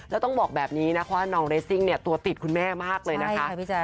แล้วต้องบอกแบบนี้นะว่าน้องเรสซิ่งเนี่ยตัวติดคุณแม่มากเลยนะคะ